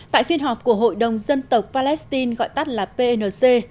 tại phiên họp của hội đồng dân tộc palestine gọi tắt là pnc